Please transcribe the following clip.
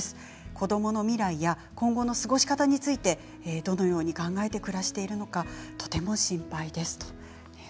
子どもの未来や今後の過ごし方についてどのように考えて暮らしているのかとても心配です。